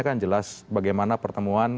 kan jelas bagaimana pertemuan